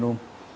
nếu mà ở mặt